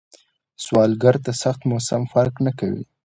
سوالګر ته سخت موسم فرق نه کوي